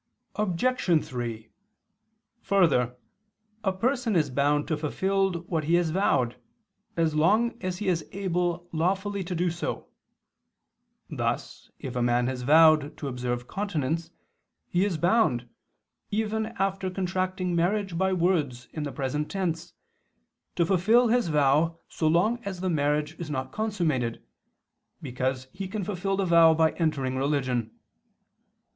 Obj. 3: Further, a person is bound to fulfil what he has vowed, as long as he is able lawfully to do so; thus if a man has vowed to observe continence, he is bound, even after contracting marriage by words in the present tense, to fulfil his vow so long as the marriage is not consummated, because he can fulfil the vow by entering religion.